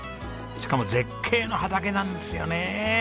しかも絶景の畑なんですよね！